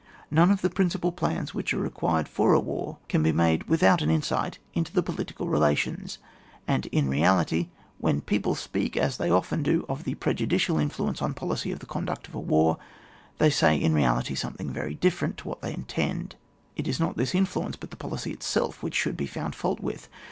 None of the principal plans which are required for a war can be made without an insight r 68 ON WAR. [book vm. into the political relations; and, in reality, when people speak, as they often do, of the prejudicial influence of policy on the conduct of a war, they say in reality some thing very different to what they intend. It is not this influence but the policy itself which should be found fault with.